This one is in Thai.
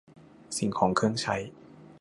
สิ่งของเครื่องใช้